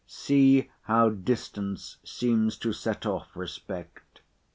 See how distance seems to set off respect!